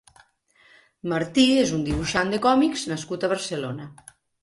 Martí és un dibuixant de còmics nascut a Barcelona.